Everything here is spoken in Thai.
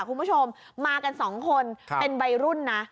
คุณผู้ชมมากันสองคนเป็นวัยรุ่นนะ